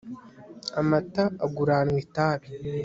amata aguranwa itabi